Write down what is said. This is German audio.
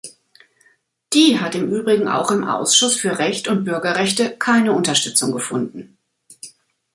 Die hat im übrigen auch im Ausschuss für Recht und Bürgerrechte keine Unterstützung gefunden.